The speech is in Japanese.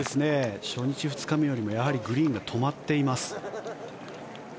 初日、２日目よりもグリーンが止まっています。